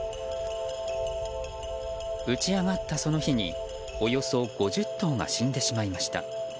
打ち上がったその日におよそ５０頭が死んでしまいました。